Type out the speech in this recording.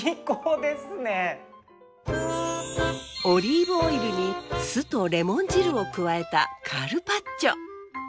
オリーブオイルに酢とレモン汁を加えたカルパッチョ。